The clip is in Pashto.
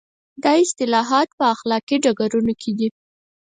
دا اصلاحات په اخلاقي ډګرونو کې دي.